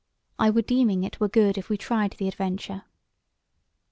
I was deeming it were good if we tried the adventure."